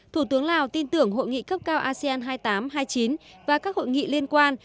thủ tướng lào tin tưởng hội nghị cấp cao asean hai nghìn tám hai mươi chín và các hội nghị liên quan